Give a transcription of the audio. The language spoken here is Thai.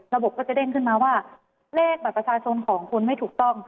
ระบบก็จะเด้งขึ้นมาว่าเลขบัตรประชาชนของคุณไม่ถูกต้อง